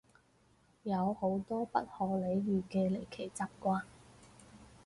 有好多不可理喻嘅離奇習慣